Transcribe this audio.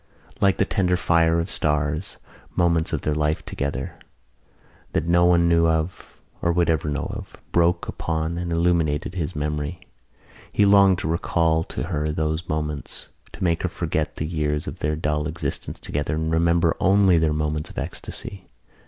Like the tender fire of stars moments of their life together, that no one knew of or would ever know of, broke upon and illumined his memory. He longed to recall to her those moments, to make her forget the years of their dull existence together and remember only their moments of ecstasy.